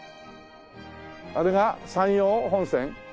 あれが山陽本線？